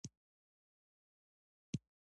خاموشي، د باطن ښکلا ده.